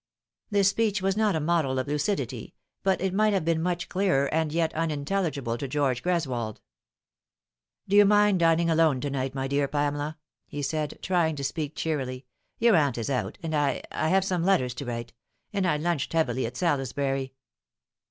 This speech was not a model of lucidity, but it might have been much clearer and yet unintelligible to George Greswold. " Do you mind dining alone to night, my dear Pamela ?" he said, trying to speak cheerily. " Your aunt is out and I I have some letters to write and I lunched heavily at Salis bury."